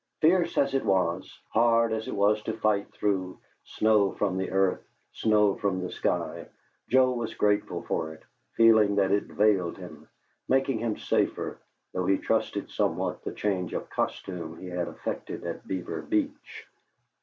Fierce as it was, hard as it was to fight through, snow from the earth, snow from the sky, Joe was grateful for it, feeling that it veiled him, making him safer, though he trusted somewhat the change of costume he had effected at Beaver Beach.